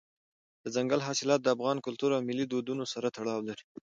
دځنګل حاصلات د افغان کلتور او ملي دودونو سره تړاو لري.